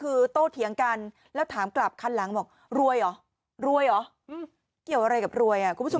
เลนเลี้ยวซ้ายแล้วเห็นลูกศรสีเขียวไหมฮะ